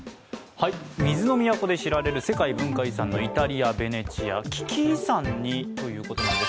水の都で知られる世界文化遺産のイタリア・ベネチア、危機遺産にということなんです。